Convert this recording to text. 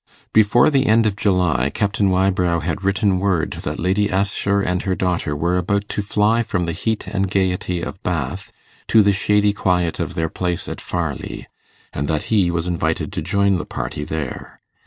Before the end of July, Captain Wybrow had written word that Lady Assher and her daughter were about to fly from the heat and gaiety of Bath to the shady quiet of their place at Farleigh, and that he was invited to join the party there.